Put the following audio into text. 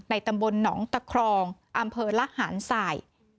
ตำบลหนองตะครองอำเภอละหารสาย